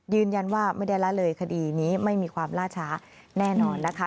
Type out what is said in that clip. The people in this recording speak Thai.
ยืนยันว่าไม่ได้ละเลยคดีนี้ไม่มีความล่าช้าแน่นอนนะคะ